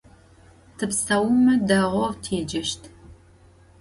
Tıpsaume, değou têceşt.